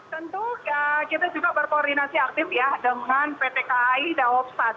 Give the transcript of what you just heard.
tentu kita juga berkoordinasi aktif ya dengan pt kai daob satu